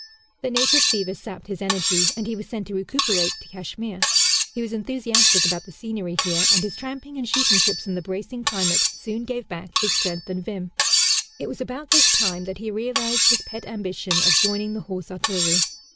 The native fever sapped his energy, and he was sent to recuperate, to Kashmir. He was enthusiastic about the scenery here, and his tramping and shooting trips in the bracing climate soon gave back his strength and vim. It was about this time that he realized his pet ambition of joining the Horse Artillery.